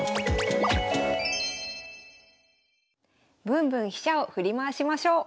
ぶんぶん飛車を振り回しましょう。